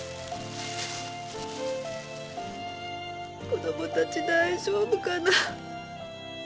子供たち大丈夫かな？